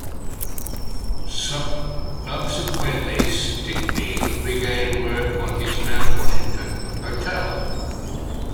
Subsequently, Stickney began work on his Mount Washington Hotel.